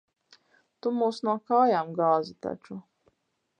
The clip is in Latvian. Tu mūs no kājām gāzi taču.